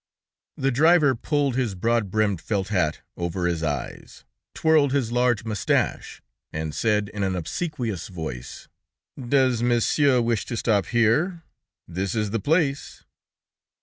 The driver pulled his broad brimmed felt hat over his eyes, twirled his large moustache, and said in an obsequious voice: "Does Monsieur wish to stop here? This is the place!"